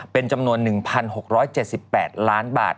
เป็นจำนวน๑๖๗๘ล้านบาท